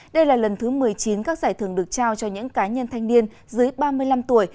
đây là lần thứ một mươi chín các giải thưởng được trao cho những cá nhân thanh niên dưới ba mươi năm tuổi